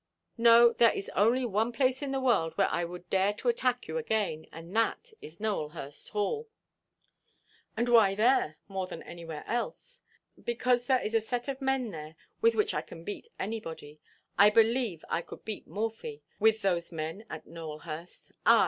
"No. There is only one place in the world where I would dare to attack you again, and that is Nowelhurst Hall." "And why there, more than anywhere else?" "Because there is a set of men there, with which I can beat anybody. I believe I could beat Morphy, with those men at Nowelhurst. Ah!